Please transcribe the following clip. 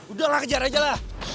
udah lah kejar aja lah